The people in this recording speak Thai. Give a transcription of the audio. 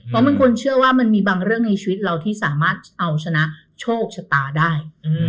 เพราะมันควรเชื่อว่ามันมีบางเรื่องในชีวิตเราที่สามารถเอาชนะโชคชะตาได้